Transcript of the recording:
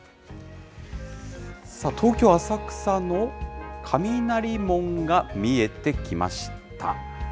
東京・浅草の雷門が見えてきました。